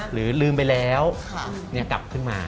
หรือลืมไปแล้วยังกลับกันชน